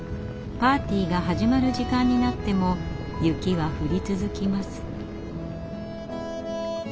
パーティーが始まる時間になっても雪は降り続きます。